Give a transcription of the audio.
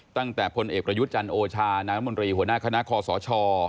ตั้งแต่พลเอกประยุทธ์จันทร์โอชานางน้ำมนตรีหัวหน้าคณะข้อสช